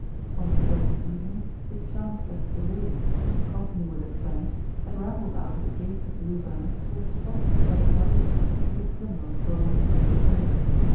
On a certain evening it chanced that Vesalius, in company with a friend, had rambled out of the gates of Louvain to a spot where the bodies of executed criminals were wont to be exposed.